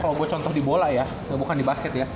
robot contoh di bola ya bukan di basket ya